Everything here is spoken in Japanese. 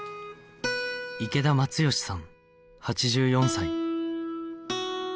池田松義さん８４歳